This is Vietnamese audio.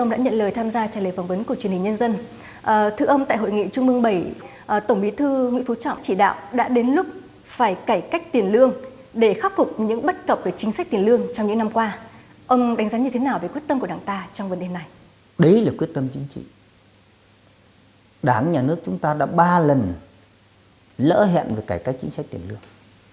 đảng nhà nước chúng ta đã ba lần lỡ hẹn về cải cách chính sách tiền lương